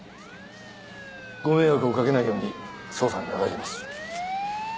ご迷惑をかけないように捜査にあたります。